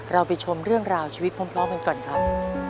เราไปชมเรื่องราวชีวิตพร้อมกันก่อนครับ